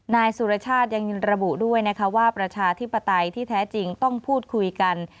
นายสุรชาติยังระบุด้วยนะคะว่าประชาธิปไตยที่แท้จริงต้องพูดคุยกัน